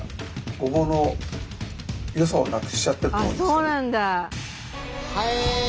あっそうなんだ。